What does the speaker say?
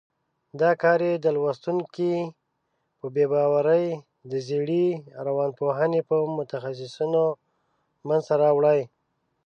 دا کار یې د لوستونکي بې باوري د زېړې روانپوهنې په متخصیصینو منځته راوړي.